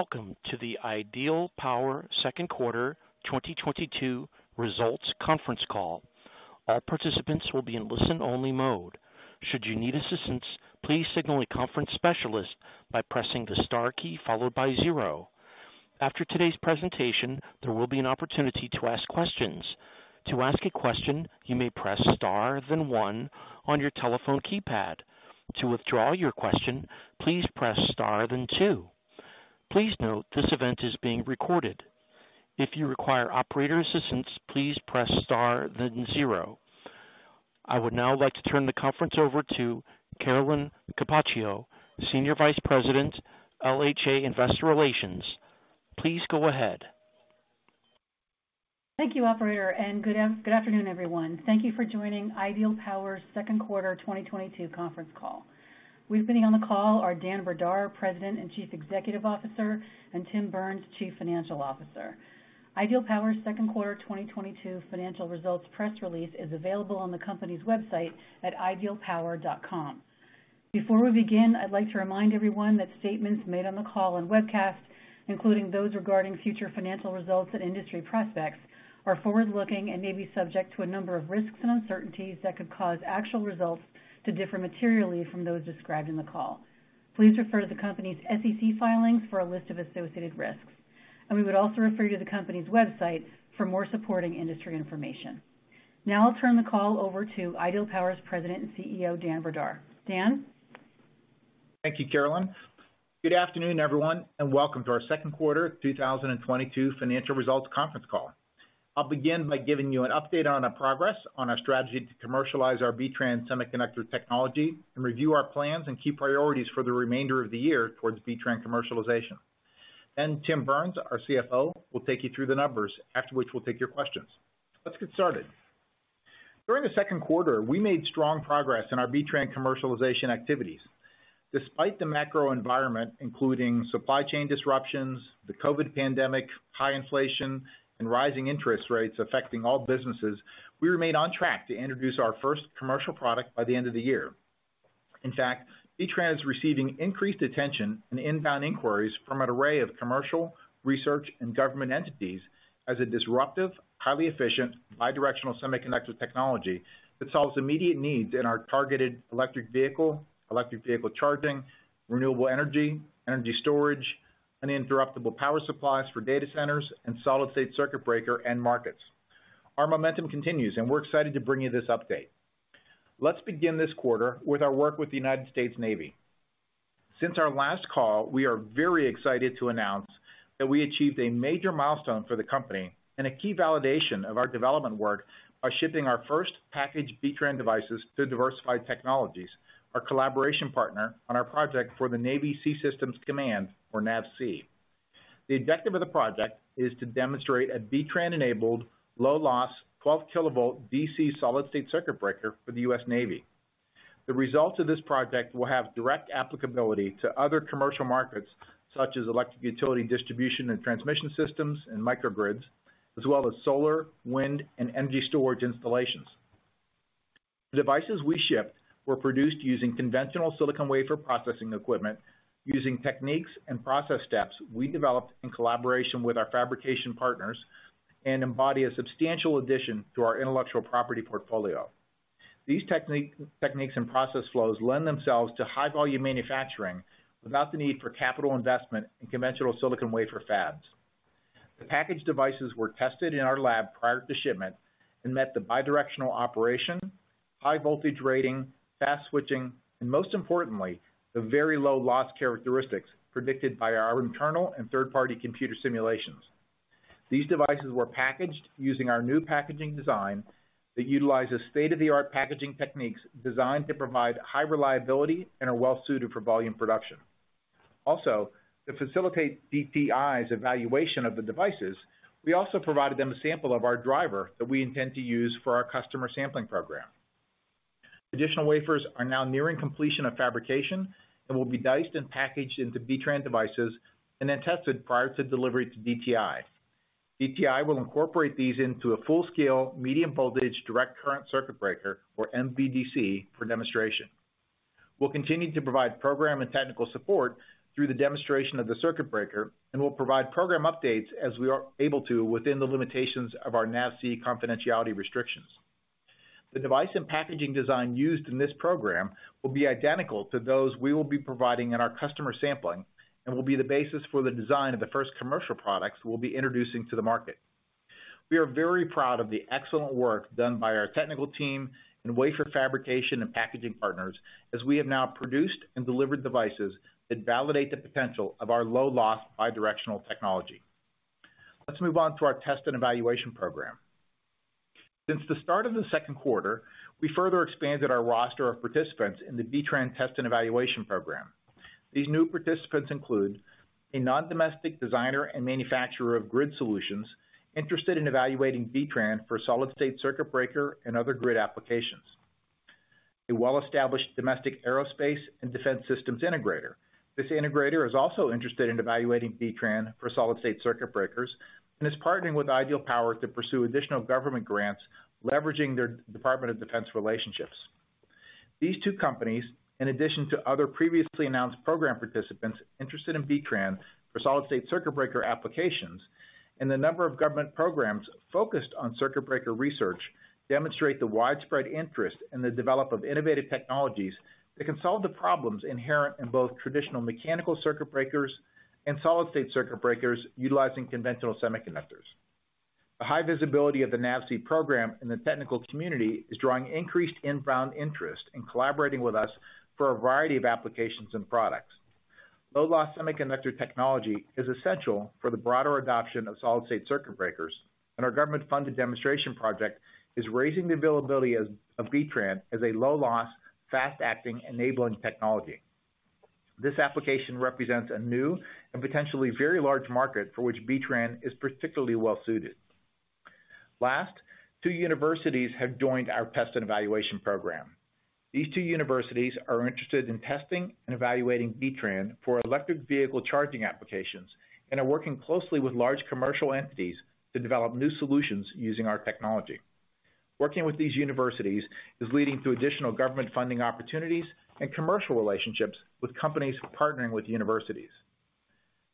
Welcome to the Ideal Power Q2 2022 results conference call. All participants will be in listen only mode. Should you need assistance, please signal a conference specialist by pressing the star key followed by zero. After today's presentation, there will be an opportunity to ask questions. To ask a question, you may press star then one on your telephone keypad. To withdraw your question, please press star then two. Please note this event is being recorded. If you require operator assistance, please press star then zero. I would now like to turn the conference over to Carolyn Capaccio, Senior Vice President, LHA Investor Relations. Please go ahead. Thank you, operator, and good afternoon, everyone. Thank you for joining Ideal Power's Q2 2022 conference call. We have on the call are Dan Brdar, President and Chief Executive Officer, and Tim Burns, Chief Financial Officer. Ideal Power's Q2 2022 financial results press release is available on the company's website at idealpower.com. Before we begin, I'd like to remind everyone that statements made on the call and webcast, including those regarding future financial results and industry prospects, are forward-looking and may be subject to a number of risks and uncertainties that could cause actual results to differ materially from those described in the call. Please refer to the company's SEC filings for a list of associated risks. We would also refer you to the company's website for more supporting industry information. Now I'll turn the call over to Ideal Power's President and CEO, Dan Brdar. Dan? Thank you, Carolyn. Good afternoon, everyone, and welcome to our Q2 2022 financial results conference call. I'll begin by giving you an update on our progress on our strategy to commercialize our B-TRAN semiconductor technology and review our plans and key priorities for the remainder of the year towards B-TRAN commercialization. Then Tim Burns, our CFO, will take you through the numbers, after which we'll take your questions. Let's get started. During Q2, we made strong progress in our B-TRAN commercialization activities. Despite the macro environment, including supply chain disruptions, the COVID pandemic, high inflation, and rising interest rates affecting all businesses, we remain on track to introduce our first commercial product by the end of the year. In fact, B-TRAN is receiving increased attention and inbound inquiries from an array of commercial, research, and government entities as a disruptive, highly efficient, bidirectional semiconductor technology that solves immediate needs in our targeted electric vehicle, electric vehicle charging, renewable energy storage, uninterruptible power supplies for data centers, and solid-state circuit breaker end markets. Our momentum continues, and we're excited to bring you this update. Let's begin this quarter with our work with the United States Navy. Since our last call, we are very excited to announce that we achieved a major milestone for the company and a key validation of our development work by shipping our first packaged B-TRAN devices to Diversified Technologies, our collaboration partner on our project for the Naval Sea Systems Command, or NAVSEA. The objective of the project is to demonstrate a B-TRAN enabled low loss 12 kV DC solid-state circuit breaker for the U.S. Navy. The results of this project will have direct applicability to other commercial markets such as electric utility distribution and transmission systems and microgrids, as well as solar, wind, and energy storage installations. The devices we shipped were produced using conventional silicon wafer processing equipment using techniques and process steps we developed in collaboration with our fabrication partners and embody a substantial addition to our intellectual property portfolio. These techniques and process flows lend themselves to high volume manufacturing without the need for capital investment in conventional silicon wafer fabs. The packaged devices were tested in our lab prior to shipment and met the bidirectional operation, high voltage rating, fast switching, and most importantly, the very low loss characteristics predicted by our internal and third-party computer simulations. These devices were packaged using our new packaging design that utilizes state-of-the-art packaging techniques designed to provide high reliability and are well suited for volume production. Also, to facilitate DTI's evaluation of the devices, we also provided them a sample of our driver that we intend to use for our customer sampling program. Additional wafers are now nearing completion of fabrication and will be diced and packaged into B-TRAN devices and then tested prior to delivery to DTI. DTI will incorporate these into a full-scale medium voltage direct current circuit breaker or MVDC for demonstration. We'll continue to provide program and technical support through the demonstration of the circuit breaker, and we'll provide program updates as we are able to within the limitations of our NAVSEA confidentiality restrictions. The device and packaging design used in this program will be identical to those we will be providing in our customer sampling and will be the basis for the design of the first commercial products we'll be introducing to the market. We are very proud of the excellent work done by our technical team in wafer fabrication and packaging partners, as we have now produced and delivered devices that validate the potential of our low loss bidirectional technology. Let's move on to our test and evaluation program. Since the start of Q2, we further expanded our roster of participants in the B-TRAN test and evaluation program. These new participants include a non-domestic designer and manufacturer of grid solutions interested in evaluating B-TRAN for solid-state circuit breaker and other grid applications. A well-established domestic aerospace and defense systems integrator. This integrator is also interested in evaluating B-TRAN for solid-state circuit breakers and is partnering with Ideal Power to pursue additional government grants leveraging their Department of Defense relationships. These two companies, in addition to other previously announced program participants interested in B-TRAN for solid-state circuit breaker applications and the number of government programs focused on circuit breaker research, demonstrate the widespread interest in the development of innovative technologies that can solve the problems inherent in both traditional mechanical circuit breakers and solid-state circuit breakers utilizing conventional semiconductors. The high visibility of the NAVSEA program in the technical community is drawing increased inbound interest in collaborating with us for a variety of applications and products. Low-loss semiconductor technology is essential for the broader adoption of solid-state circuit breakers, and our government-funded demonstration project is raising the availability of B-TRAN as a low-loss, fast-acting enabling technology. This application represents a new and potentially very large market for which B-TRAN is particularly well suited. Last, two universities have joined our test and evaluation program. These two universities are interested in testing and evaluating B-TRAN for electric vehicle charging applications and are working closely with large commercial entities to develop new solutions using our technology. Working with these universities is leading to additional government funding opportunities and commercial relationships with companies partnering with universities.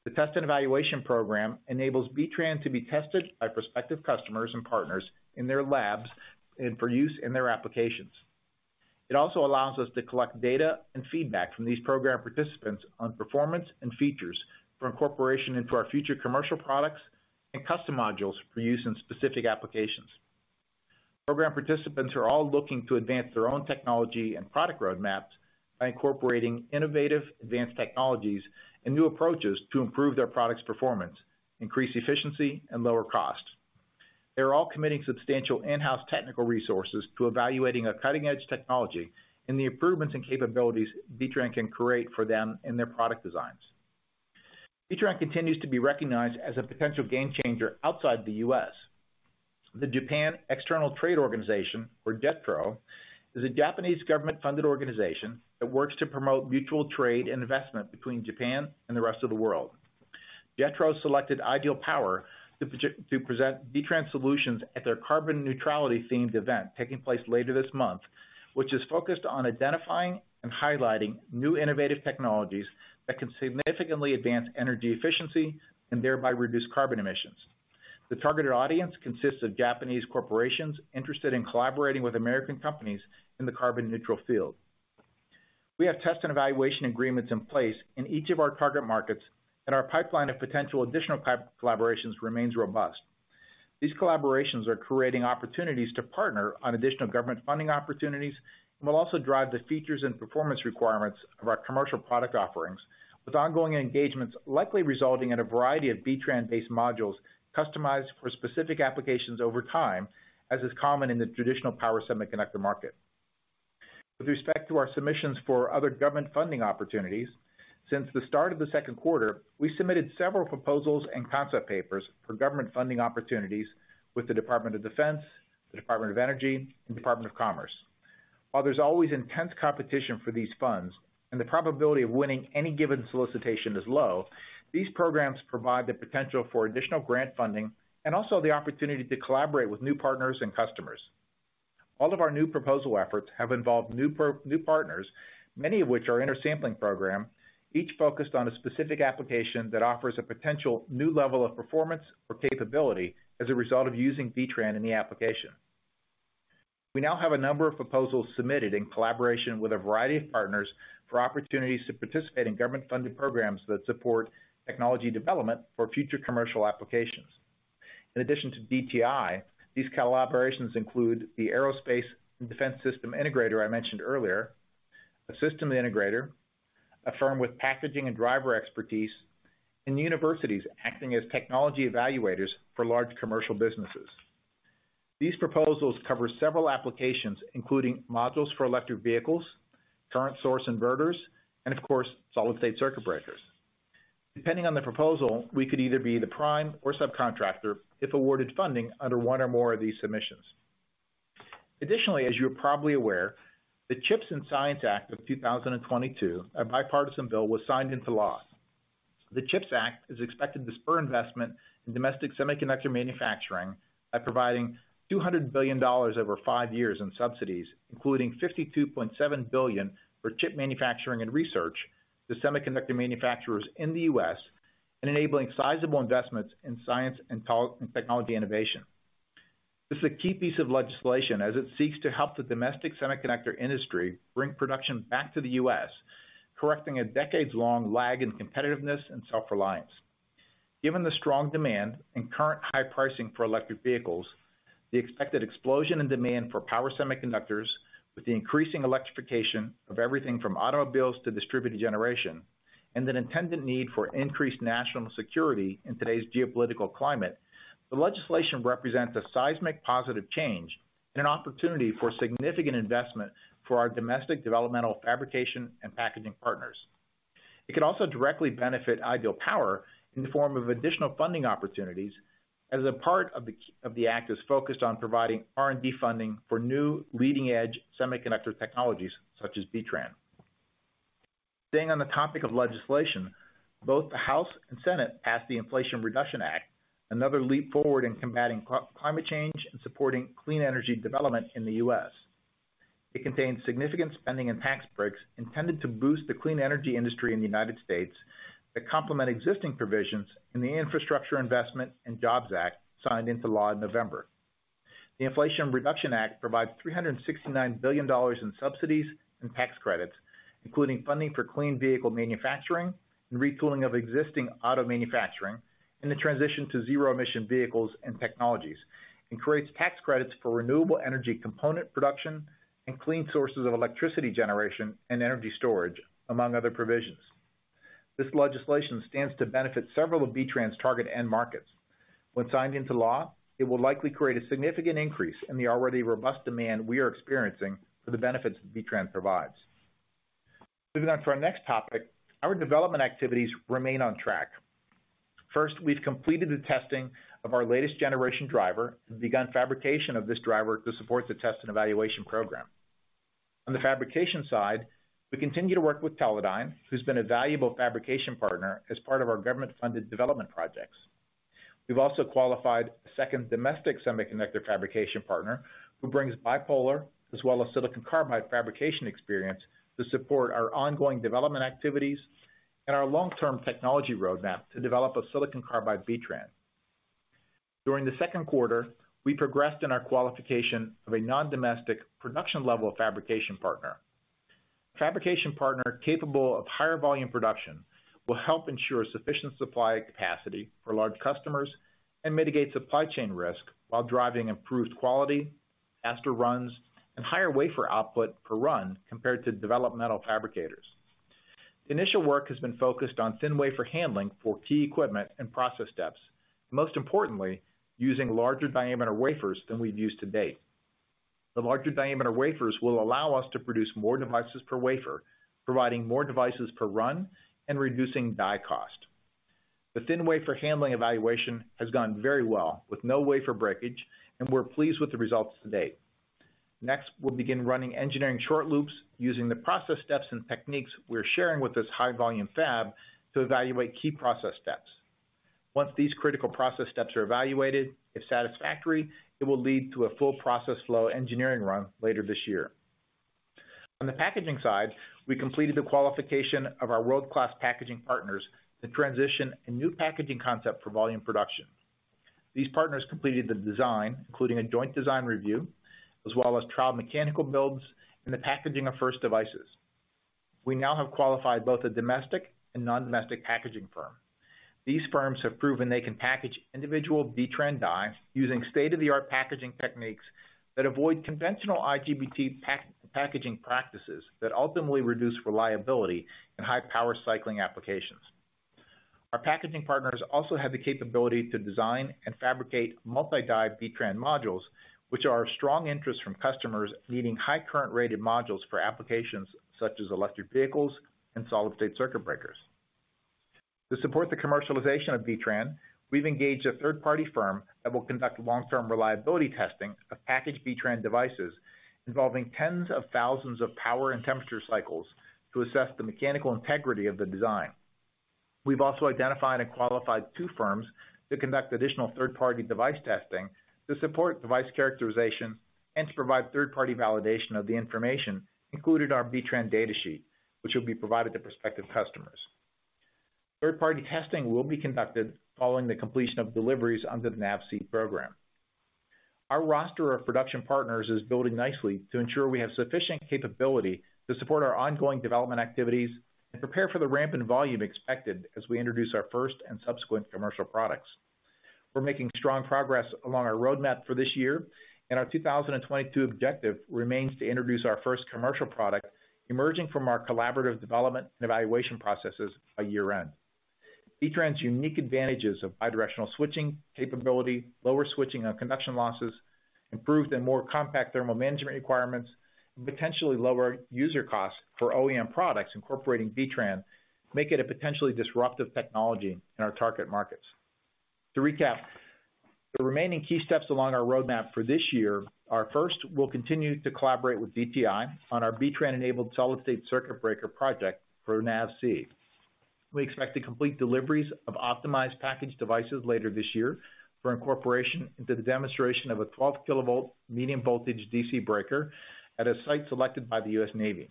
The test and evaluation program enables B-TRAN to be tested by prospective customers and partners in their labs and for use in their applications. It also allows us to collect data and feedback from these program participants on performance and features for incorporation into our future commercial products and custom modules for use in specific applications. Program participants are all looking to advance their own technology and product roadmaps by incorporating innovative advanced technologies and new approaches to improve their product's performance, increase efficiency, and lower cost. They're all committing substantial in-house technical resources to evaluating a cutting edge technology and the improvements and capabilities B-TRAN can create for them in their product designs. B-TRAN continues to be recognized as a potential game changer outside the U.S. The Japan External Trade Organization, or JETRO, is a Japanese government-funded organization that works to promote mutual trade and investment between Japan and the rest of the world. JETRO selected Ideal Power to present B-TRAN solutions at their carbon neutrality themed event taking place later this month, which is focused on identifying and highlighting new innovative technologies that can significantly advance energy efficiency and thereby reduce carbon emissions. The targeted audience consists of Japanese corporations interested in collaborating with American companies in the carbon neutral field. We have test and evaluation agreements in place in each of our target markets, and our pipeline of potential additional collaborations remains robust. These collaborations are creating opportunities to partner on additional government funding opportunities and will also drive the features and performance requirements of our commercial product offerings with ongoing engagements, likely resulting in a variety of B-TRAN-based modules customized for specific applications over time, as is common in the traditional power semiconductor market. With respect to our submissions for other government funding opportunities, since the start of Q2, we submitted several proposals and concept papers for government funding opportunities with the Department of Defense, the Department of Energy, and Department of Commerce. While there's always intense competition for these funds and the probability of winning any given solicitation is low, these programs provide the potential for additional grant funding and also the opportunity to collaborate with new partners and customers. All of our new proposal efforts have involved new partners, many of which are in our sampling program, each focused on a specific application that offers a potential new level of performance or capability as a result of using B-TRAN in the application. We now have a number of proposals submitted in collaboration with a variety of partners for opportunities to participate in government-funded programs that support technology development for future commercial applications. In addition to DTI, these collaborations include the aerospace and defense system integrator I mentioned earlier, a system integrator, a firm with packaging and driver expertise, and universities acting as technology evaluators for large commercial businesses. These proposals cover several applications, including modules for electric vehicles, current source inverters, and of course, solid-state circuit breakers. Depending on the proposal, we could either be the prime or subcontractor if awarded funding under one or more of these submissions. Additionally, as you're probably aware, the CHIPS and Science Act of 2022, a bipartisan bill, was signed into law. The CHIPS Act is expected to spur investment in domestic semiconductor manufacturing by providing $200 billion over five years in subsidies, including $52.7 billion for chip manufacturing and research to semiconductor manufacturers in the U.S. and enabling sizable investments in science and technology innovation. This is a key piece of legislation as it seeks to help the domestic semiconductor industry bring production back to the U.S., correcting a decades-long lag in competitiveness and self-reliance. Given the strong demand and current high pricing for electric vehicles, the expected explosion in demand for power semiconductors with the increasing electrification of everything from automobiles to distributed generation, and an intended need for increased national security in today's geopolitical climate, the legislation represents a seismic positive change and an opportunity for significant investment for our domestic developmental fabrication and packaging partners. It could also directly benefit Ideal Power in the form of additional funding opportunities, as a part of the CHIPS Act is focused on providing R&D funding for new leading-edge semiconductor technologies such as B-TRAN. Staying on the topic of legislation, both the House and Senate passed the Inflation Reduction Act, another leap forward in combating climate change and supporting clean energy development in the U.S. It contains significant spending and tax breaks intended to boost the clean energy industry in the United States to complement existing provisions in the Infrastructure Investment and Jobs Act signed into law in November. The Inflation Reduction Act provides $369 billion in subsidies and tax credits, including funding for clean vehicle manufacturing and retooling of existing auto manufacturing in the transition to zero-emission vehicles and technologies, and creates tax credits for renewable energy component production and clean sources of electricity generation and energy storage, among other provisions. This legislation stands to benefit several of B-TRAN target end markets. When signed into law, it will likely create a significant increase in the already robust demand we are experiencing for the benefits B-TRAN provides. Moving on to our next topic, our development activities remain on track. First, we've completed the testing of our latest generation driver and begun fabrication of this driver to support the test and evaluation program. On the fabrication side, we continue to work with Teledyne, who's been a valuable fabrication partner as part of our government-funded development projects. We've also qualified a second domestic semiconductor fabrication partner who brings bipolar as well as silicon carbide fabrication experience to support our ongoing development activities and our long-term technology roadmap to develop a silicon carbide B-TRAN. During Q2, we progressed in our qualification of a non-domestic production level fabrication partner. Fabrication partner capable of higher volume production will help ensure sufficient supply capacity for large customers and mitigate supply chain risk while driving improved quality, faster runs, and higher wafer output per run compared to developmental fabricators. Initial work has been focused on thin wafer handling for key equipment and process steps, most importantly, using larger diameter wafers than we've used to date. The larger diameter wafers will allow us to produce more devices per wafer, providing more devices per run and reducing die cost. The thin wafer handling evaluation has gone very well with no wafer breakage, and we're pleased with the results to date. Next, we'll begin running engineering short loops using the process steps and techniques we're sharing with this high volume fab to evaluate key process steps. Once these critical process steps are evaluated, if satisfactory, it will lead to a full process flow engineering run later this year. On the packaging side, we completed the qualification of our world-class packaging partners to transition a new packaging concept for volume production. These partners completed the design, including a joint design review, as well as trial mechanical builds and the packaging of first devices. We now have qualified both a domestic and non-domestic packaging firm. These firms have proven they can package individual B-TRAN dies using state-of-the-art packaging techniques that avoid conventional IGBT packaging practices that ultimately reduce reliability in high power cycling applications. Our packaging partners also have the capability to design and fabricate multi-die B-TRAN modules, which are of strong interest from customers needing high current rated modules for applications such as electric vehicles and solid-state circuit breakers. To support the commercialization of B-TRAN, we've engaged a third-party firm that will conduct long-term reliability testing of packaged B-TRAN devices involving tens of thousands of power and temperature cycles to assess the mechanical integrity of the design. We've also identified and qualified two firms to conduct additional third-party device testing to support device characterization and to provide third-party validation of the information included our B-TRAN data sheet, which will be provided to prospective customers. Third-party testing will be conducted following the completion of deliveries under the NAVSEA program. Our roster of production partners is building nicely to ensure we have sufficient capability to support our ongoing development activities and prepare for the ramp in volume expected as we introduce our first and subsequent commercial products. We're making strong progress along our roadmap for this year, and our 2022 objective remains to introduce our first commercial product emerging from our collaborative development and evaluation processes by year-end. B-TRAN's unique advantages of bidirectional switching capability, lower switching and conduction losses, improved and more compact thermal management requirements, and potentially lower user costs for OEM products incorporating B-TRAN, make it a potentially disruptive technology in our target markets. To recap, the remaining key steps along our roadmap for this year are, first, we'll continue to collaborate with DTI on our B-TRAN enabled solid-state circuit breaker project for NAVSEA. We expect to complete deliveries of optimized packaged devices later this year for incorporation into the demonstration of a 12 kV medium voltage DC breaker at a site selected by the U.S. Navy.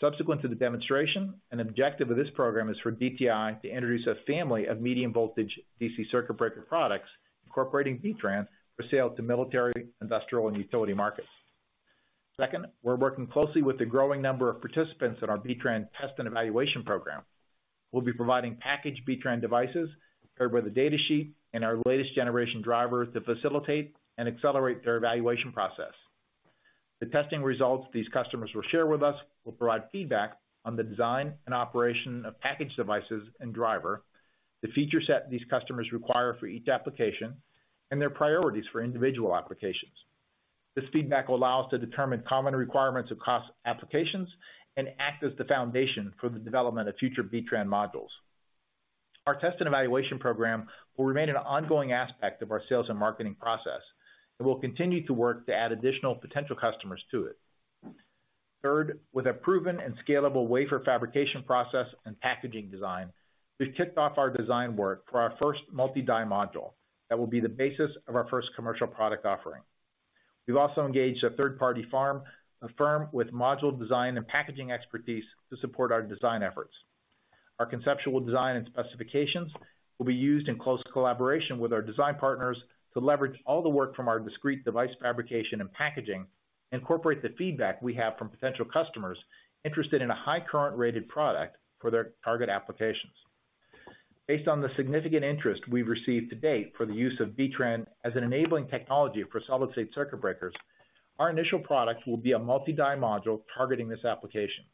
Subsequent to the demonstration, an objective of this program is for DTI to introduce a family of medium voltage DC circuit breaker products incorporating B-TRAN for sale to military, industrial, and utility markets. Second, we're working closely with the growing number of participants in our B-TRAN test and evaluation program. We'll be providing packaged B-TRAN devices paired with a data sheet and our latest generation driver to facilitate and accelerate their evaluation process. The testing results these customers will share with us will provide feedback on the design and operation of packaged devices and driver, the feature set these customers require for each application, and their priorities for individual applications. This feedback will allow us to determine common requirements across applications and act as the foundation for the development of future B-TRAN modules. Our test and evaluation program will remain an ongoing aspect of our sales and marketing process, and we'll continue to work to add additional potential customers to it. Third, with a proven and scalable wafer fabrication process and packaging design, we've kicked off our design work for our first multi-die module that will be the basis of our first commercial product offering. We've also engaged a third-party firm with module design and packaging expertise to support our design efforts. Our conceptual design and specifications will be used in close collaboration with our design partners to leverage all the work from our discrete device fabrication and packaging, incorporate the feedback we have from potential customers interested in a high current rated product for their target applications. Based on the significant interest we've received to date for the use of B-TRAN as an enabling technology for solid-state circuit breakers, our initial product will be a multi-die module targeting this application.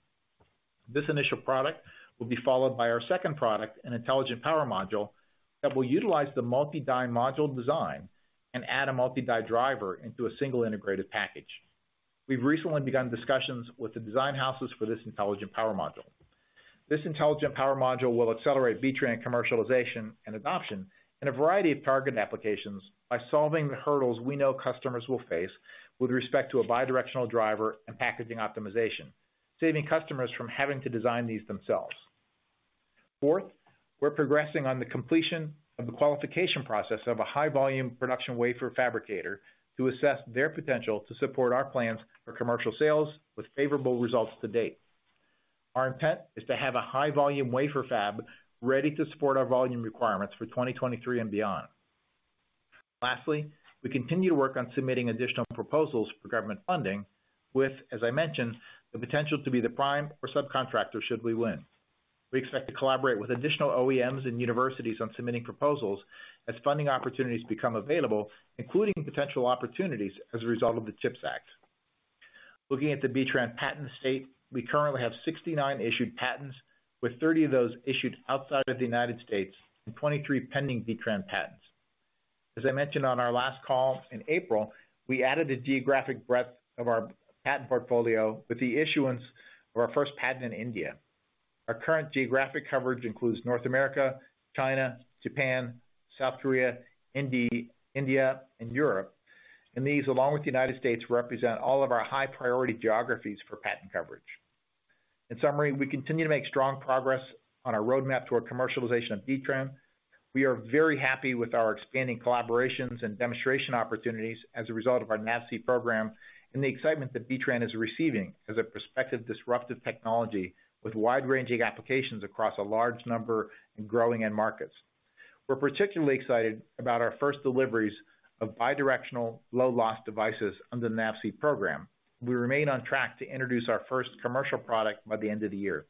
This initial product will be followed by our second product, an intelligent power module, that will utilize the multi-die module design and add a multi-die driver into a single integrated package. We've recently begun discussions with the design houses for this intelligent power module. This intelligent power module will accelerate B-TRAN commercialization and adoption in a variety of targeted applications by solving the hurdles we know customers will face with respect to a bidirectional driver and packaging optimization, saving customers from having to design these themselves. Fourth, we're progressing on the completion of the qualification process of a high volume production wafer fabricator to assess their potential to support our plans for commercial sales with favorable results to date. Our intent is to have a high volume wafer fab ready to support our volume requirements for 2023 and beyond. Lastly, we continue to work on submitting additional proposals for government funding with, as I mentioned, the potential to be the prime or subcontractor should we win. We expect to collaborate with additional OEMs and universities on submitting proposals as funding opportunities become available, including potential opportunities as a result of the CHIPS Act. Looking at the B-TRAN patent state, we currently have 69 issued patents, with 30 of those issued outside of the United States and 23 pending B-TRAN patents. As I mentioned on our last call in April, we added a geographic breadth of our patent portfolio with the issuance of our first patent in India. Our current geographic coverage includes North America, China, Japan, South Korea, India, and Europe, and these, along with the United States, represent all of our high priority geographies for patent coverage. In summary, we continue to make strong progress on our roadmap toward commercialization of B-TRAN. We are very happy with our expanding collaborations and demonstration opportunities as a result of our NAVSEA program and the excitement that B-TRAN is receiving as a prospective disruptive technology with wide-ranging applications across a large number and growing end markets. We're particularly excited about our first deliveries of bi-directional low loss devices under the NAVSEA program. We remain on track to introduce our first commercial product by the end of the year.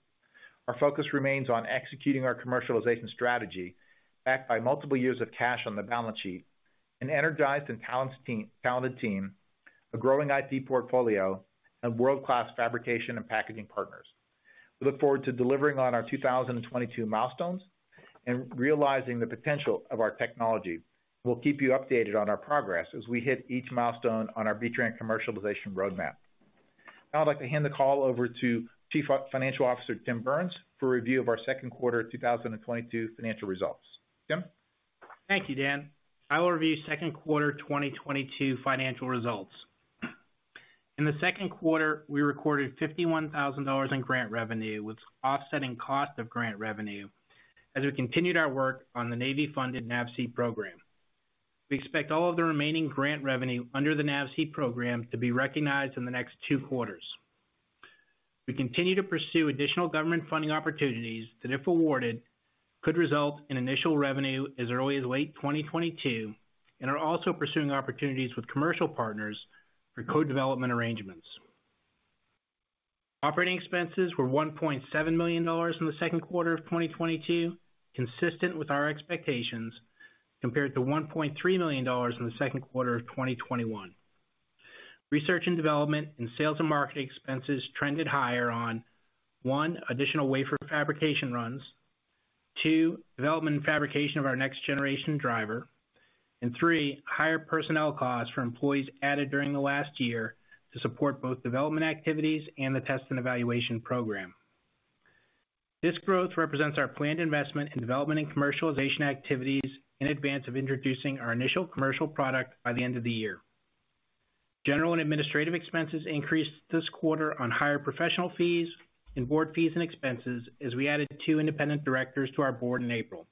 Our focus remains on executing our commercialization strategy, backed by multiple years of cash on the balance sheet, an energized and talented team, a growing IP portfolio, and world-class fabrication and packaging partners. We look forward to delivering on our 2022 milestones and realizing the potential of our technology. We'll keep you updated on our progress as we hit each milestone on our B-TRAN commercialization roadmap. Now I'd like to hand the call over to Chief Financial Officer Tim Burns for a review of our Q2 2022 financial results. Tim? Thank you, Dan. I will review Q2 2022 financial results. In Q2, we recorded $51,000 in grant revenue with offsetting cost of grant revenue as we continued our work on the Navy-funded NAVSEA program. We expect all of the remaining grant revenue under the NAVSEA program to be recognized in the next two quarters. We continue to pursue additional government funding opportunities that, if awarded, could result in initial revenue as early as late 2022, and are also pursuing opportunities with commercial partners for co-development arrangements. Operating expenses were $1.7 million in Q2 of 2022, consistent with our expectations, compared to $1.3 million in Q2 of 2021. Research and development and sales and marketing expenses trended higher on, one, additional wafer fabrication runs, two, development and fabrication of our next generation driver, and three, higher personnel costs for employees added during the last year to support both development activities and the test and evaluation program. This growth represents our planned investment in development and commercialization activities in advance of introducing our initial commercial product by the end of the year. General and administrative expenses increased this quarter on higher professional fees and board fees and expenses, as we added two independent directors to our board in April.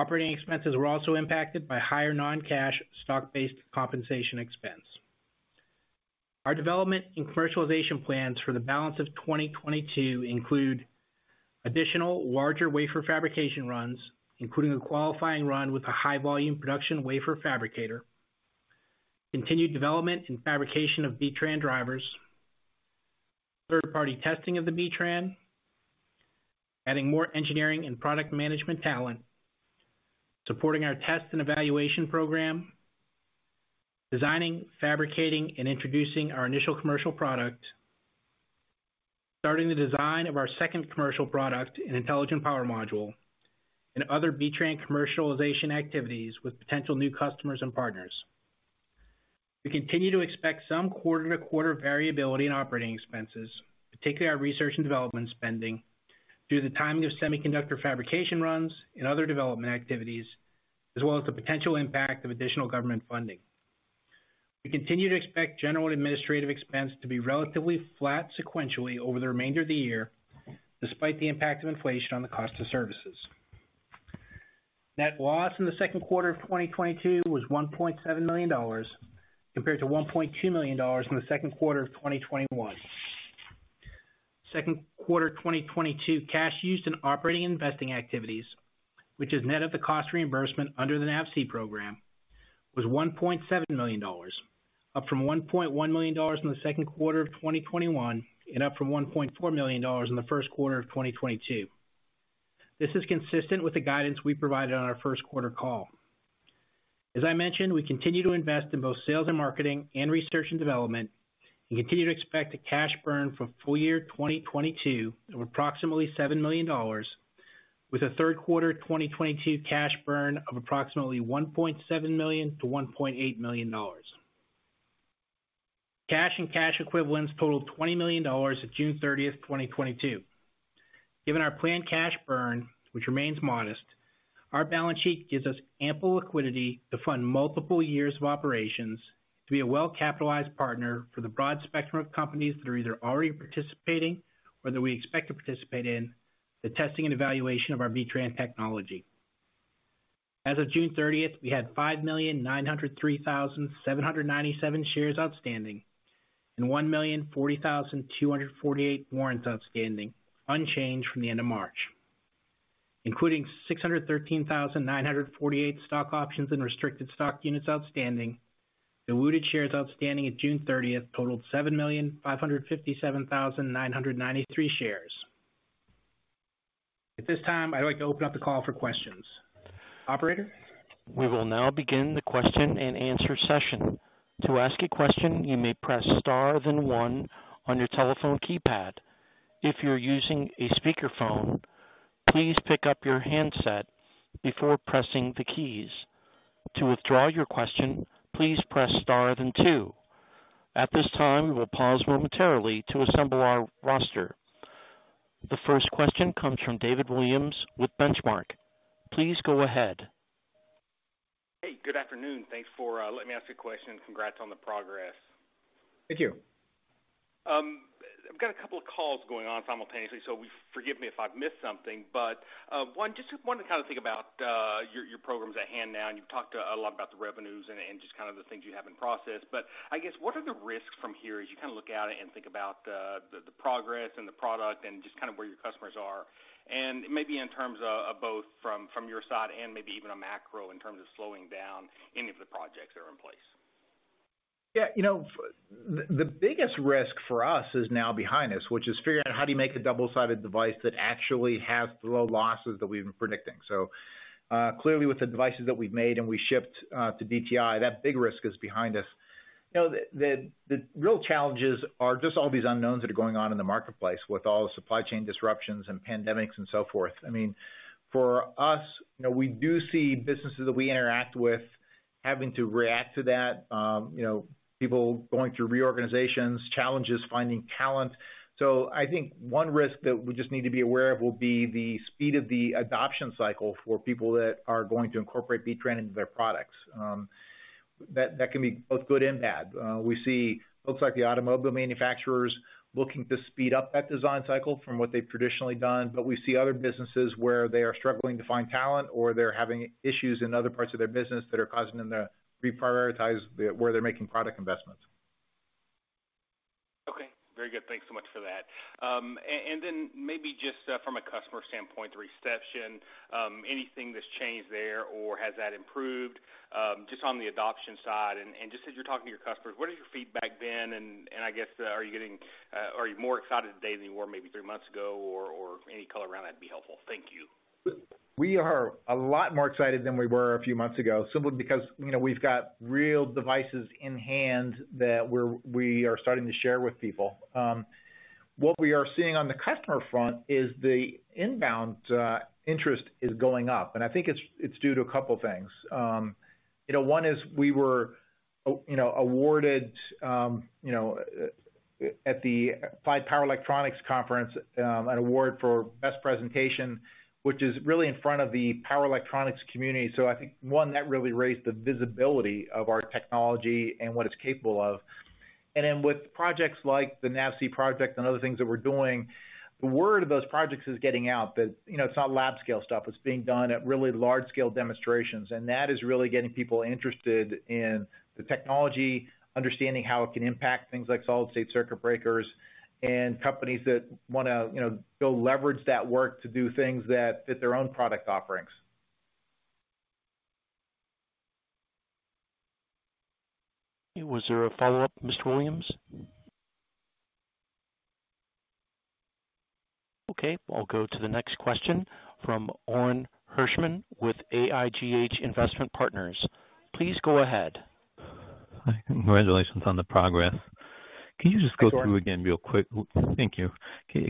Operating expenses were also impacted by higher non-cash stock-based compensation expense. Our development and commercialization plans for the balance of 2022 include additional larger wafer fabrication runs, including a qualifying run with a high volume production wafer fabricator, continued development and fabrication of B-TRAN drivers, third-party testing of the B-TRAN, adding more engineering and product management talent, supporting our test and evaluation program, designing, fabricating, and introducing our initial commercial product, starting the design of our second commercial product, an intelligent power module, and other B-TRAN commercialization activities with potential new customers and partners. We continue to expect some quarter-to-quarter variability in operating expenses, particularly our research and development spending, due to the timing of semiconductor fabrication runs and other development activities, as well as the potential impact of additional government funding. We continue to expect general and administrative expense to be relatively flat sequentially over the remainder of the year, despite the impact of inflation on the cost of services. Net loss in Q2 of 2022 was $1.7 million compared to $1.2 million in Q2 of 2021. Q2 2022 cash used in operating investing activities, which is net of the cost reimbursement under the NAVSEA program, was $1.7 million, up from $1.1 million in Q2 of 2021 and up from $1.4 million in Q1 of 2022. This is consistent with the guidance we provided on our Q1 call. As I mentioned, we continue to invest in both sales and marketing and research and development and continue to expect a cash burn for full year 2022 of approximately $7 million with a Q3 2022 cash burn of approximately $1.7 million-$1.8 million. Cash and cash equivalents totaled $20 million at June 30, 2022. Given our planned cash burn, which remains modest, our balance sheet gives us ample liquidity to fund multiple years of operations to be a well-capitalized partner for the broad spectrum of companies that are either already participating or that we expect to participate in the testing and evaluation of our B-TRAN technology. As of June 30th, we had 5,903,797 shares outstanding and 1,040,248 warrants outstanding, unchanged from the end of March. Including 613,948 stock options and restricted stock units outstanding, the weighted shares outstanding at June 30th totaled 7,557,993 shares. At this time, I'd like to open up the call for questions. Operator. We will now begin the question-and-answer session. To ask a question, you may press star then one on your telephone keypad. If you're using a speakerphone, please pick up your handset before pressing the keys. To withdraw your question, please press star then two. At this time, we'll pause momentarily to assemble our roster. The first question comes from David Williams with The Benchmark. Please go ahead. Hey, good afternoon. Thanks for letting me ask you a question. Congrats on the progress. Thank you. I've got a couple of calls going on simultaneously, so forgive me if I've missed something. Just one to think about your programs at hand now, and you've talked a lot about the revenues and just of the things you have in process. What are the risks from here as you look at it and think about the progress and the product and just where your customers are? Maybe in terms of both from your side and maybe even a macro in terms of slowing down any of the projects that are in place. Yes. the biggest risk for us is now behind us, which is figuring out how do you make a double-sided device that actually has the low losses that we've been predicting. Clearly, with the devices that we've made and we shipped to DTI, that big risk is behind us. The real challenges are just all these unknowns that are going on in the marketplace with all the supply chain disruptions and pandemics and so forth. For us, we do see businesses that we interact with having to react to that, people going through reorganizations, challenges finding talent. I think one risk that we just need to be aware of will be the speed of the adoption cycle for people that are going to incorporate B-TRAN into their products. That can be both good and bad. We see folks like the automobile manufacturers looking to speed up that design cycle from what they've traditionally done, but we see other businesses where they are struggling to find talent or they're having issues in other parts of their business that are causing them to reprioritize where they're making product investments. Okay, very good. Thanks so much for that. Maybe just from a customer's standpoint, the reception, anything that's changed there or has that improved, just on the adoption side? Just as you're talking to your customers, what has your feedback been? Are you more excited today than you were maybe three months ago or any color around that'd be helpful. Thank you. We are a lot more excited than we were a few months ago, simply because we've got real devices in hand that we are starting to share with people. What we are seeing on the customer front is the inbound interest is going up, and I think it's due to a couple of things. One is we were awarded at the Applied Power Electronics Conference an award for best presentation, which is really in front of the power electronics community. I think one, that really raised the visibility of our technology and what it's capable of. Then with projects like the NAVSEA project and other things that we're doing, the word of those projects is getting out that it's not lab scale stuff. It's being done at really large scale demonstrations, and that is really getting people interested in the technology, understanding how it can impact things like solid-state circuit breakers and companies that want to, go leverage that work to do things that fit their own product offerings. Was there a follow-up, Mr. Williams? Okay, I'll go to the next question from Orin Hirschman with AIGH Investment Partners. Please go ahead. Hi. Congratulations on the progress. Thank you.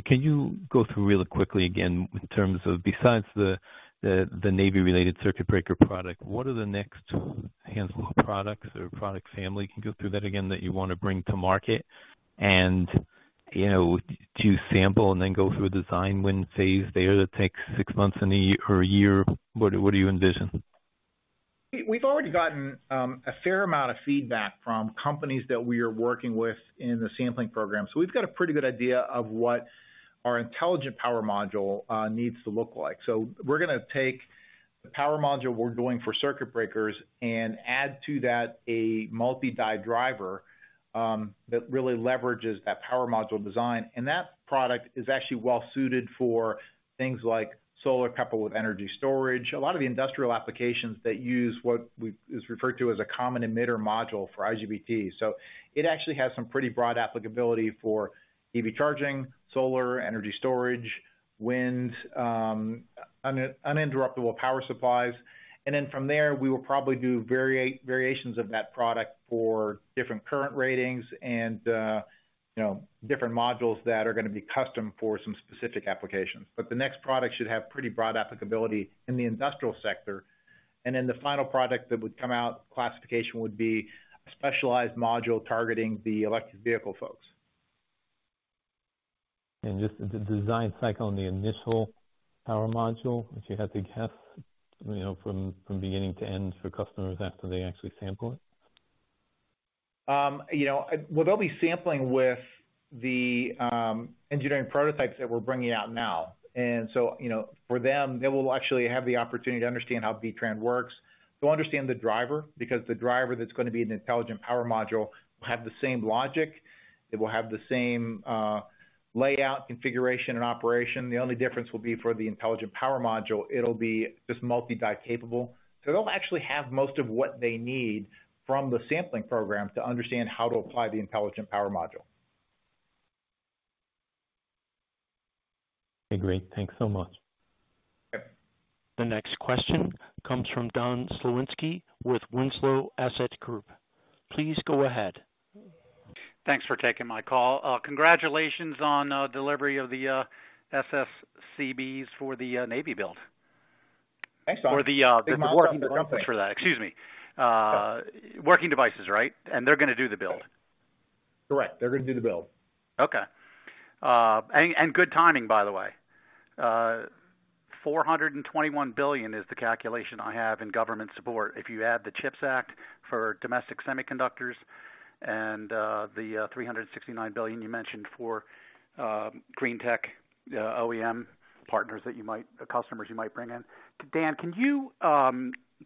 Can you go through really quickly again in terms of besides the Navy-related circuit breaker product, what are the next handful of products or product family? Can you go through that again that you want to bring to market and to sample and then go through a design win phase there that takes six months or a year? What do you envision? We've already gotten a fair amount of feedback from companies that we are working with in the sampling program. We've got a pretty good idea of what our intelligent power module needs to look like. We're going to take the power module we're doing for circuit breakers and add to that a multi-die driver that really leverages that power module design. That product is actually well-suited for things like solar coupled with energy storage. A lot of the industrial applications that use what is referred to as a common emitter module for IGBT. It actually has some pretty broad applicability for EV charging, solar, energy storage, wind, and uninterruptible power supplies. Then from there, we will probably do variations of that product for different current ratings and different modules that are going to be custom for some specific applications. The next product should have pretty broad applicability in the industrial sector. Then, the final product that would come out classification would be a specialized module targeting the electric vehicle folks. Just the design cycle on the initial power module, if you had to guess, from beginning to end for customers after they actually sample it? Well, they'll be sampling with the engineering prototypes that we're bringing out now. For them, they will actually have the opportunity to understand how B-TRAN works. They'll understand the driver because the driver that's going to be an intelligent power module will have the same logic. It will have the same layout, configuration, and operation. The only difference will be for the intelligent power module. It'll be just multi-die capable. They'll actually have most of what they need from the sampling program to understand how to apply the intelligent power module. Okay, great. Thanks so much. Yes. The next question comes from Don Slowinski with Gold Street Capital. Please go ahead. Thanks for taking my call. Congratulations on delivery of the SSCBs for the Navy build. Thanks, Don. Big milestone for the company. Excuse me. Working devices, right? They're going to do the build. Correct. They're going to do the build. Okay. Good timing, by the way. $421 billion is the calculation I have in government support. If you add the CHIPS Act for domestic semiconductors and the $369 billion you mentioned for green tech, customers you might bring in. Dan, can you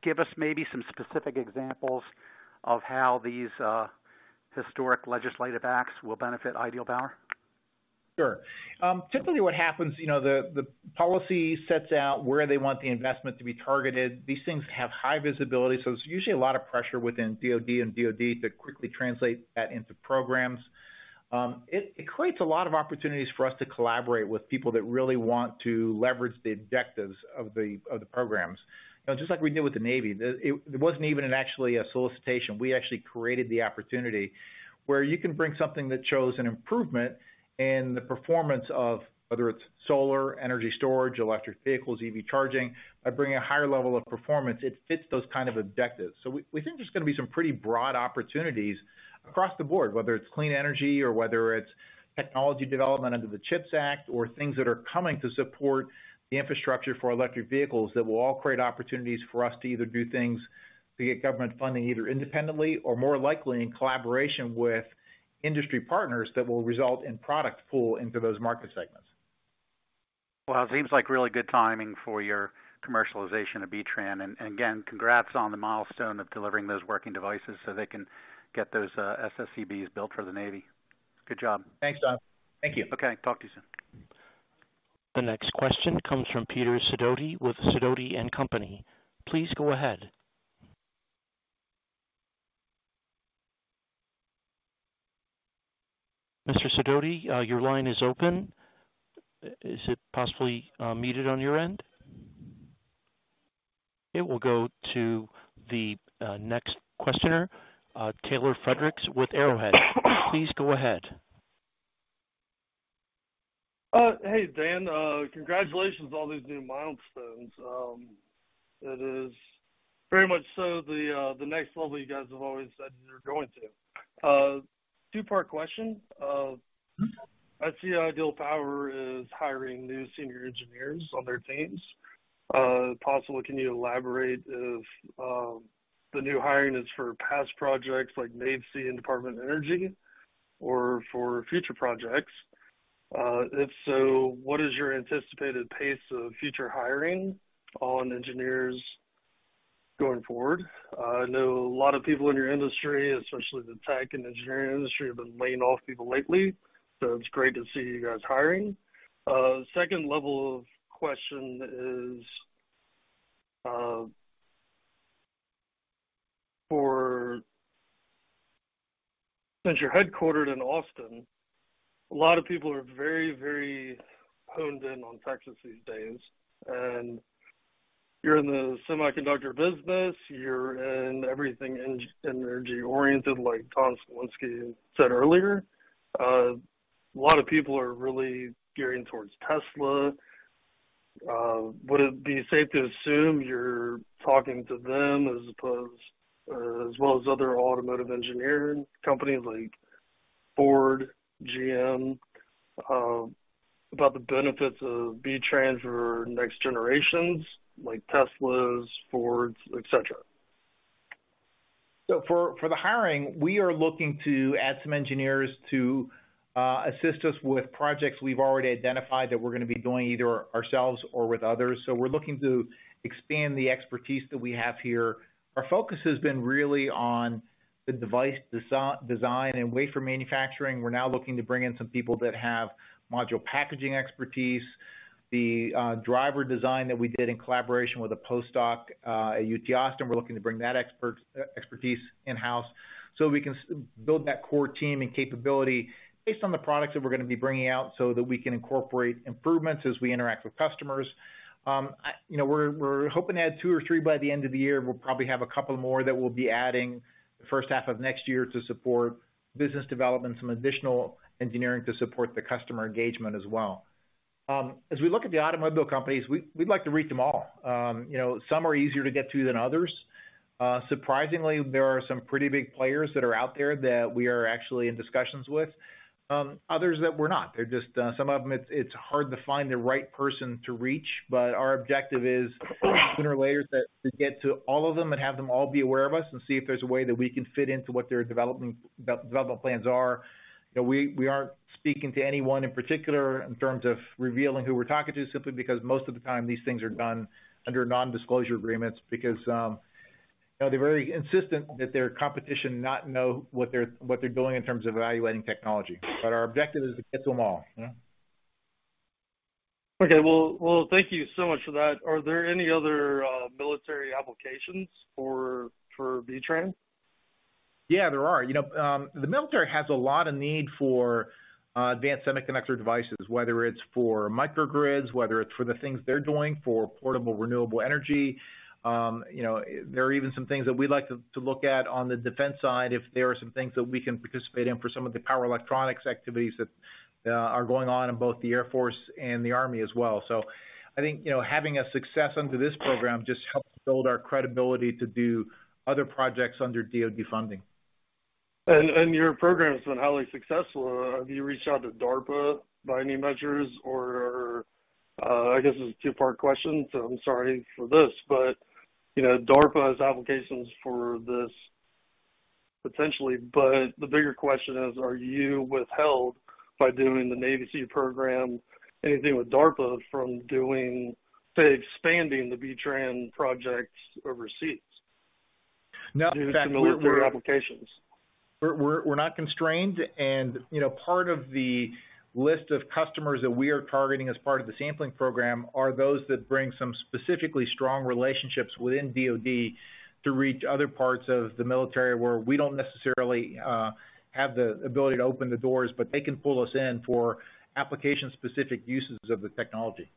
give us maybe some specific examples of how these historic legislative acts will benefit Ideal Power? Sure. Typically what happens, the policy sets out where they want the investment to be targeted. These things have high visibility, so there's usually a lot of pressure within DoD to quickly translate that into programs. It creates a lot of opportunities for us to collaborate with people that really want to leverage the objectives of the programs. just like we did with the Navy. It wasn't even actually a solicitation. We actually created the opportunity where you can bring something that shows an improvement in the performance of whether it's solar, energy storage, electric vehicles, EV charging, by bringing a higher level of performance, it fits those objectives. We think there's going to be some pretty broad opportunities across the board, whether it's clean energy or whether it's technology development under the CHIPS Act or things that are coming to support the infrastructure for electric vehicles that will all create opportunities for us to either do things via government funding, either independently or more likely in collaboration with industry partners that will result in product pull into those market segments. Well, it seems like really good timing for your commercialization of B-TRAN. Again, congrats on the milestone of delivering those working devices so they can get those SSCBs built for the Navy. Good job. Thanks, Don. Thank you. Okay. Talk to you soon. The next question comes from Peter Sidoti with Sidoti & Company. Please go ahead. Mr. Sidoti, your line is open. Is it possibly muted on your end? Okay. We'll go to the next questioner, Taylor Fredericks with Arrowhead. Please go ahead. Hey, Dan. Congratulations on all these new milestones. It is very much so the next level you guys have always said you're going to. Two-part question. I see Ideal Power is hiring new senior engineers on their teams. If possible, can you elaborate if the new hiring is for past projects like NAVSEA and Department of Energy or for future projects? If so, what is your anticipated pace of future hiring on engineers going forward? I know a lot of people in your industry, especially the tech and engineering industry, have been laying off people lately, so it's great to see you guys hiring. Second level of question is, since you're headquartered in Austin, a lot of people are very, very honed in on Texas these days. You're in the semiconductor business, you're in everything energy oriented, like Don Slowinski said earlier. A lot of people are really gearing towards Tesla. Would it be safe to assume you're talking to them as well as other automotive engineering companies like Ford, GM, about the benefits of B-TRAN for next generations like Teslas, Fords, etc? For the hiring, we are looking to add some engineers to assist us with projects we've already identified that we're going to be doing either ourselves or with others. We're looking to expand the expertise that we have here. Our focus has been really on the device design and wafer manufacturing. We're now looking to bring in some people that have module packaging expertise. The driver design that we did in collaboration with a postdoc at UT Austin, we're looking to bring that expertise in-house, so we can build that core team and capability based on the products that we're going to be bringing out, so that we can incorporate improvements as we interact with customers. We're hoping to add two or three by the end of the year. We'll probably have a couple more that we'll be adding the first half of next year to support business development, some additional engineering to support the customer engagement as well. As we look at the automobile companies, we'd like to reach them all. Some are easier to get to than others. Surprisingly, there are some pretty big players that are out there that we are actually in discussions with. Others that we're not. They're just some of them it's hard to find the right person to reach, but our objective is sooner or later to get to all of them and have them all be aware of us and see if there's a way that we can fit into what their development plans are. We aren't speaking to anyone in particular in terms of revealing who we're talking to, simply because most of the time these things are done under non-disclosure agreements because, they're very insistent that their competition not know what they're doing in terms of evaluating technology. Our objective is to get them all. Okay. Well, thank you so much for that. Are there any other military applications for B-TRAN? Yes, there are. The military has a lot of need for advanced semiconductor devices, whether it's for microgrids, whether it's for the things they're doing for portable renewable energy. There are even some things that we'd like to look at on the defense side, if there are some things that we can participate in for some of the power electronics activities that are going on in both the Air Force and the Army as well. I think, having a success under this program just helps build our credibility to do other projects under DoD funding. Your program's been highly successful. Have you reached out to DARPA by any measures or this is a two-part question. I'm sorry for this. DARPA has applications for this potentially, but the bigger question is, are you withheld by doing the NAVSEA program, anything with DARPA from doing, say, expanding the B-TRAN projects overseas? No. Due to military applications. In fact, we're not constrained. Part of the list of customers that we are targeting as part of the sampling program are those that bring some specifically strong relationships within DoD to reach other parts of the military where we don't necessarily have the ability to open the doors, but they can pull us in for application-specific uses of the technology.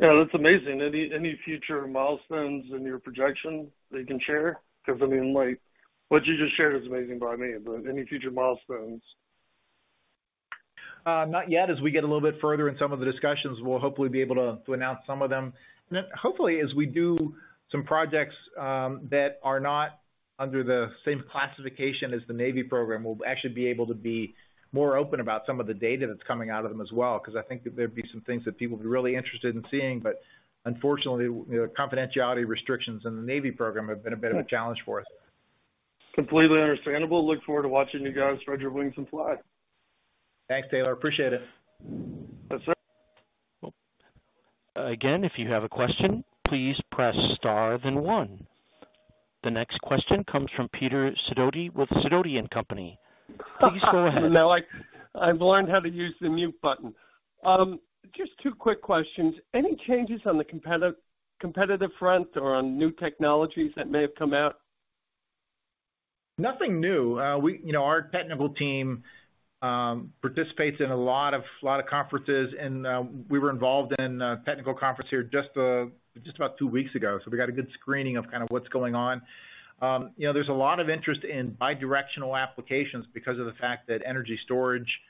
Yes. That's amazing. Any future milestones in your projection that you can share? Because what you just shared is amazing by me, but any future milestones? Not yet. As we get a little bit further in some of the discussions, we'll hopefully be able to announce some of them. Hopefully, as we do some projects that are not under the same classification as the Navy program, we'll actually be able to be more open about some of the data that's coming out of them as well, because I think that there'd be some things that people would be really interested in seeing. Unfortunately, confidentiality restrictions in the Navy program have been a bit of a challenge for us. Completely understandable. Look forward to watching you guys spread your wings and fly. Thanks, Taylor. Appreciate it. Yes, sir. Again, if you have a question, please press star then one. The next question comes from Peter Sidoti with Sidoti & Company. Please go ahead. Now, I've learned how to use the mute button. Just two quick questions. Any changes on the competitive front or on new technologies that may have come out? Nothing new. Our technical team participates in a lot of conferences and we were involved in a technical conference here just about two weeks ago. We got a good screening of what's going on. there's a lot of interest in bi-directional applications because of the fact that energy storage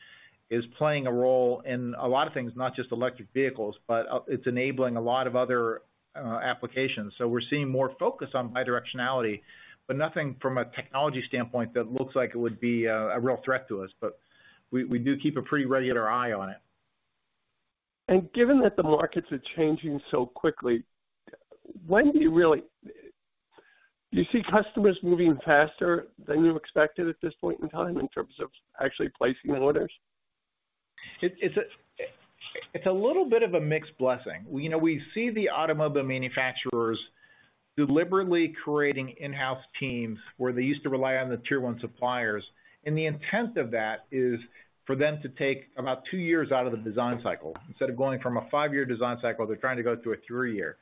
is playing a role in a lot of things, not just electric vehicles, but it's enabling a lot of other applications. We're seeing more focus on bi-directionality, but nothing from a technology standpoint that looks like it would be a real threat to us. We do keep a pretty regular eye on it. Given that the markets are changing so quickly, when do you really? Do you see customers moving faster than you expected at this point in time in terms of actually placing orders? It's a little bit of a mixed blessing. We see the automobile manufacturers deliberately creating in-house teams where they used to rely on the Tier 1 suppliers, and the intent of that is for them to take about two years out of the design cycle. Instead of going from a five-year design cycle, they're trying to go to a three-year.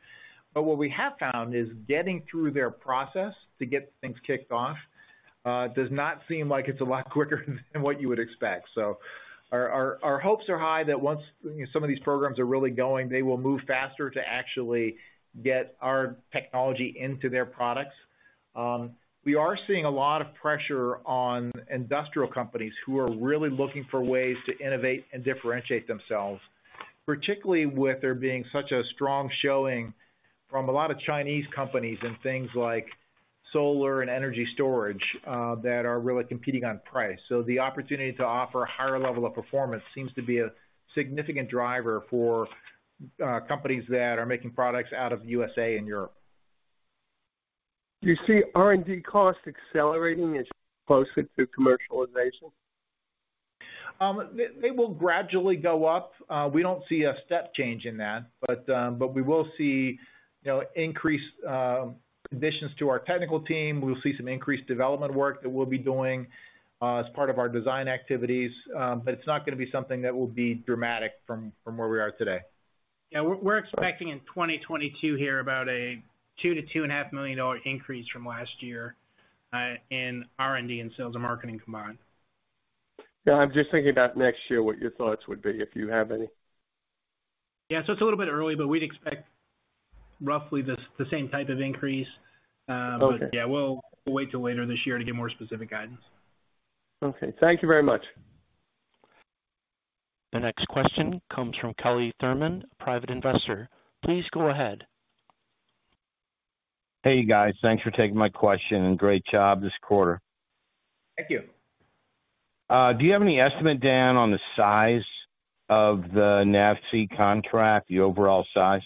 What we have found is getting through their process to get things kicked off does not seem like it's a lot quicker than what you would expect. Our hopes are high that once some of these programs are really going, they will move faster to actually get our technology into their products. We are seeing a lot of pressure on industrial companies who are really looking for ways to innovate and differentiate themselves, particularly with there being such a strong showing from a lot of Chinese companies and things like solar and energy storage, that are really competing on price. The opportunity to offer a higher level of performance seems to be a significant driver for companies that are making products out of USA and Europe. Do you see R&D costs accelerating as you get closer to commercialization? They will gradually go up. We don't see a step change in that. We will see increased additions to our technical team. We'll see some increased development work that we'll be doing as part of our design activities. It's not going to be something that will be dramatic from where we are today. We're expecting in 2022 here about a $2 million-$2.5 million increase from last year in R&D and sales and marketing combined. Yes. I'm just thinking about next year, what your thoughts would be, if you have any? Yes. It's a little bit early, but we'd expect roughly the same type of increase. Okay. Yes, we'll wait till later this year to give more specific guidance. Okay. Thank you very much. The next question comes from Kelly Thurman, a private investor. Please go ahead. Hey, guys. Thanks for taking my question, and great job this quarter. Thank you. Do you have any estimate, Dan, on the size of the NAVSEA contract, the overall size?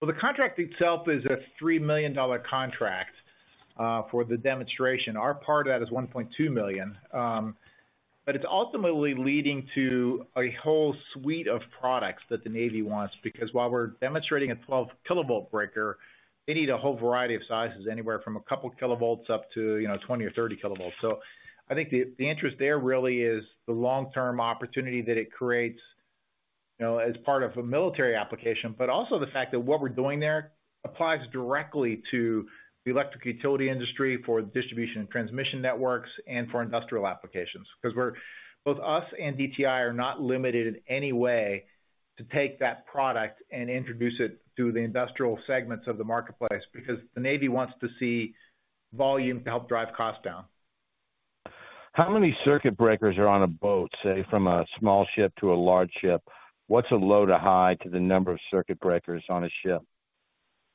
Well, the contract itself is a $3 million contract for the demonstration. Our part of that is $1.2 million. It's ultimately leading to a whole suite of products that the Navy wants because while we're demonstrating a 12 kV breaker, they need a whole variety of sizes anywhere from a couple of kilovolts up to 20 kV or 30 kV. I think the interest there really is the long-term opportunity that it creates, as part of a military application, but also the fact that what we're doing there applies directly to the electric utility industry for distribution and transmission networks and for industrial applications because both us and DTI are not limited in any way to take that product and introduce it to the industrial segments of the marketplace because the Navy wants to see volume to help drive costs down. How many circuit breakers are on a boat, say from a small ship to a large ship? What's a low to high to the number of circuit breakers on a ship?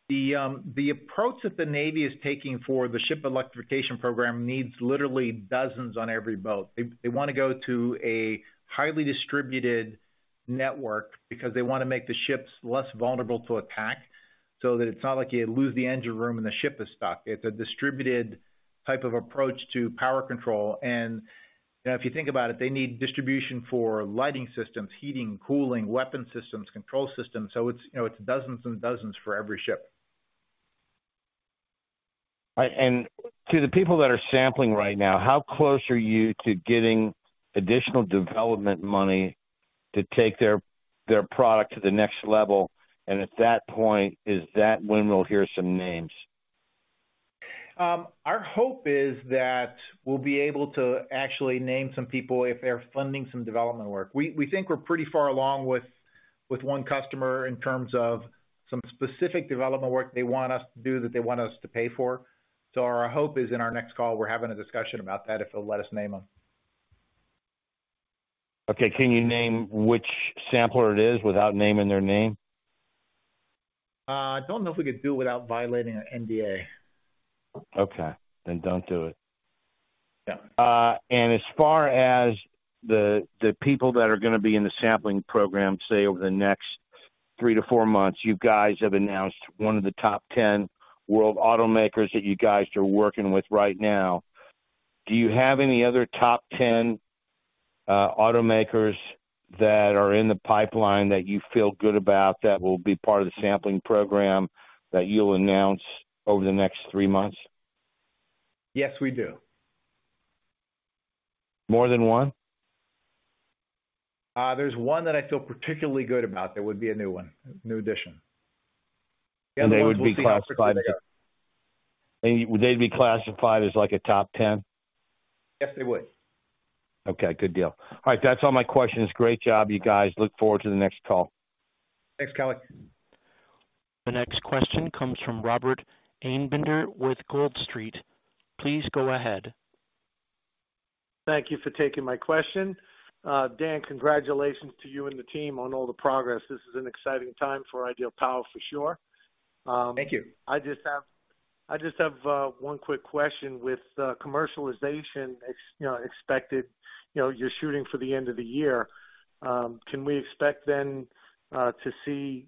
The approach that the Navy is taking for the ship electrification program needs literally dozens on every boat. They want to go to a highly distributed network because they want to make the ships less vulnerable to attack so that it's not like you lose the engine room and the ship is stuck. It's a distributed type of approach to power control. if you think about it, they need distribution for lighting systems, heating, cooling, weapon systems, control systems. It's dozens and dozens for every ship. All right. To the people that are sampling right now, how close are you to getting additional development money to take their product to the next level? At that point, is that when we'll hear some names? Our hope is that we'll be able to actually name some people if they're funding some development work. We think we're pretty far along with one customer in terms of some specific development work they want us to do, that they want us to pay for. Our hope is in our next call, we're having a discussion about that, if they'll let us name them. Okay. Can you name which sampler it is without naming their name? I don't know if we could do it without violating an NDA. Okay. Don't do it. Yes. As far as the people that are going to be in the sampling program, say over the next three to four months, you guys have announced one of the top 10 world automakers that you guys are working with right now. Do you have any other top 10 automakers that are in the pipeline that you feel good about that will be part of the sampling program that you'll announce over the next three months? Yes, we do. More than one? There's one that I feel particularly good about that would be a new one, a new addition. The other ones we'll see how quickly they are. Would they be classified as like a top ten? Yes, they would. Okay, good deal. All right, that's all my questions. Great job, you guys. Look forward to the next call. Thanks, Kelly. The next question comes from Robert Ainbinder with Gold Street. Please go ahead. Thank you for taking my question. Dan, congratulations to you and the team on all the progress. This is an exciting time for Ideal Power, for sure. Thank you. I just have one quick question with commercialization expected, you're shooting for the end of the year. Can we expect then to see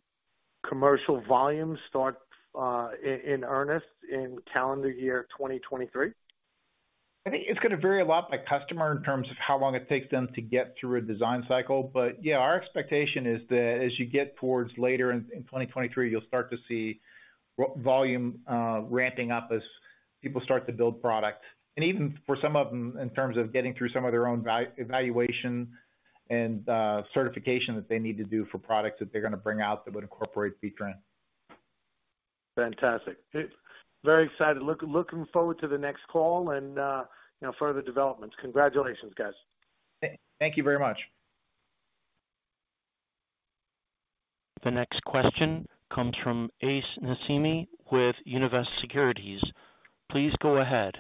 commercial volumes start in earnest in calendar year 2023? I think it's going to vary a lot by customer in terms of how long it takes them to get through a design cycle. Our expectation is that as you get towards later in 2023, you'll start to see volume ramping up as people start to build product. Even for some of them, in terms of getting through some of their own validation and certification that they need to do for products that they're going to bring out that would incorporate B-TRAN. Fantastic. Very excited. Looking forward to the next call and further developments. Congratulations, guys. Thank you very much. The next question comes from Ace Nesimi with Universe Securities. Please go ahead.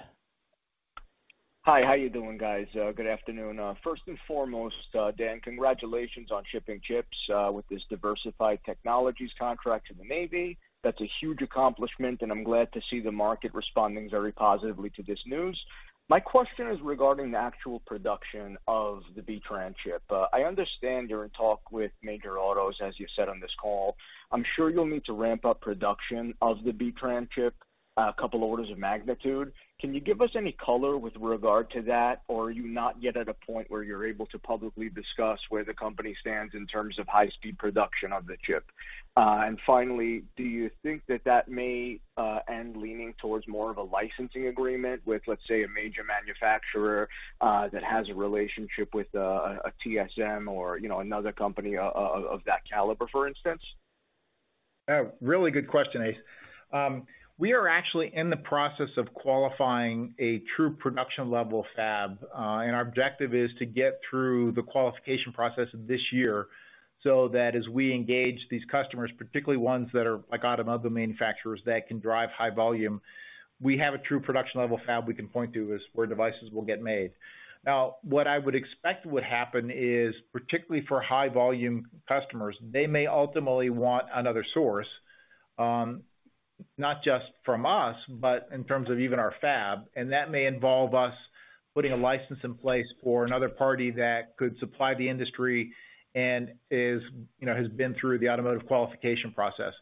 Hi. How are you doing, guys? Good afternoon. First and foremost, Dan, congratulations on shipping chips with this Diversified Technologies contract to the Navy. That's a huge accomplishment, and I'm glad to see the market responding very positively to this news. My question is regarding the actual production of the B-TRAN chip. I understand you're in talks with major autos, as you said on this call. I'm sure you'll need to ramp up production of the B-TRAN chip a couple of orders of magnitude. Can you give us any color with regard to that or are you not yet at a point where you're able to publicly discuss where the company stands in terms of high-speed production of the chip? Finally, do you think that may end leaning towards more of a licensing agreement with, let's say, a major manufacturer that has a relationship with a TSMC or another company of that caliber, for instance? Really good question, Ace. We are actually in the process of qualifying a true production-level fab. Our objective is to get through the qualification process this year, so that as we engage these customers, particularly ones that are like automotive manufacturers that can drive high volume, we have a true production-level fab we can point to as where devices will get made. Now, what I would expect would happen is, particularly for high volume customers, they may ultimately want another source, not just from us, but in terms of even our fab, and that may involve us putting a license in place for another party that could supply the industry and has been through the automotive qualification process.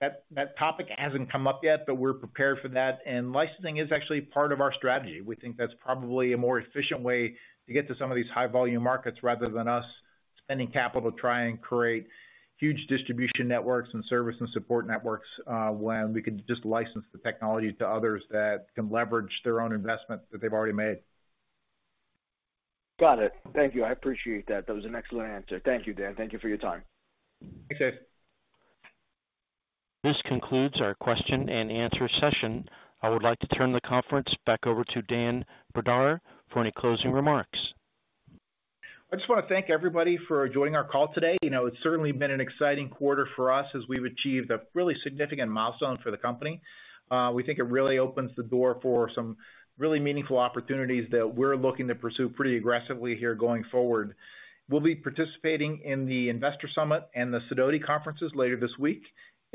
That topic hasn't come up yet, but we're prepared for that, and licensing is actually part of our strategy. We think that's probably a more efficient way to get to some of these high volume markets, rather than us spending capital to try and create huge distribution networks and service and support networks, when we could just license the technology to others that can leverage their own investment that they've already made. Got it. Thank you. I appreciate that. That was an excellent answer. Thank you, Dan. Thank you for your time. Thanks, Ace. This concludes our question-and-answer session. I would like to turn the conference back over to Dan Brdar for any closing remarks. I just want to thank everybody for joining our call today. It's certainly been an exciting quarter for us as we've achieved a really significant milestone for the company. We think it really opens the door for some really meaningful opportunities that we're looking to pursue pretty aggressively here going forward. We'll be participating in the Investor Summit and the Sidoti Conferences later this week,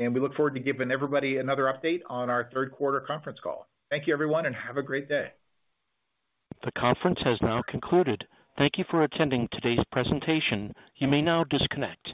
and we look forward to giving everybody another update on our Q3 conference call. Thank you, everyone, and have a great day. The conference has now concluded. Thank you for attending today's presentation. You may now disconnect.